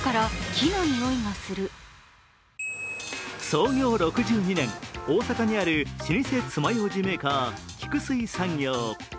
創業６２年、大阪にある老舗爪ようじメーカー・菊水産業。